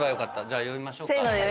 じゃあ呼びましょうか。